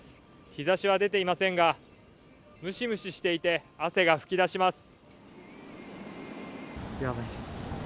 日ざしは出ていませんが、ムシムシしていて、汗が噴き出します。